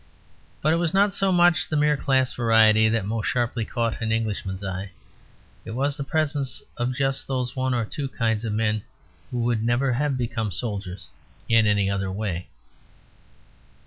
But it was not so much the mere class variety that most sharply caught an Englishman's eye. It was the presence of just those one or two kinds of men who would never have become soldiers in any other way.